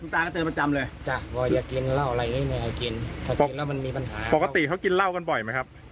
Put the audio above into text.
ถ้ากินแล้วมันมีปัญหาปกติเขากินเหล้ากันบ่อยไหมครับ